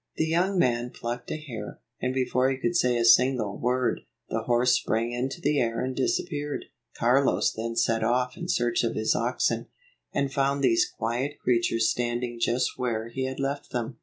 The young man plucked a hair, and before he could say a single word, the horse sprang into the air and disappeared. Carlos then set off in search of his oxen, and found these quiet creatures standing just where he had left them.